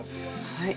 「はい」